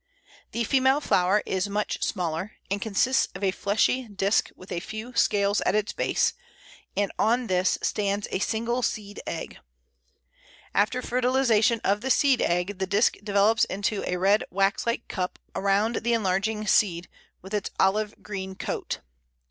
The female flower is much smaller, and consists of a fleshy disk with a few scales at its base, and on this stands a single seed egg. After fertilization of the seed egg the disk develops into a red wax like cup around the enlarging seed with its olive green coat.